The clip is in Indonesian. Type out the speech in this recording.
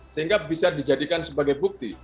sehingga bisa dijadikan sebagai bukti